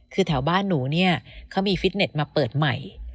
คือแถวบ้านหนูเนี่ยเขามีฟิตเน็ตมาเปิดใหม่